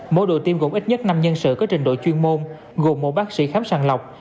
mỗi đội tiêm gồm ít nhất năm nhân sự có trình độ chuyên môn gồm một bác sĩ khám sàng lọc